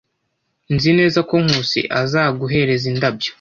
Nzi neza ko Nkusi azaguhereza indabyo.